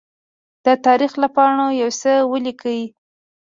د تاریخ له پاڼو يوڅه ولیکئ!